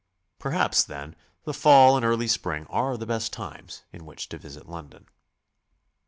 Perhaps, then, the fall and early spring are the best times in which to visit London.